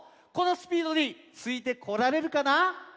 このスピードについてこられるかな？